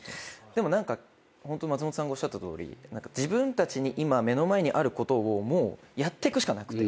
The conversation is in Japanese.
でも松本さんがおっしゃったとおり自分たちの今目の前にあることをやってくしかなくて。